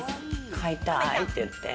飼いたいって言って。